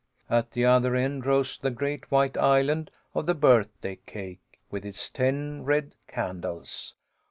At the other end rose the great white island of the birthday cake, with its ten red candles.